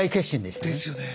ですよね。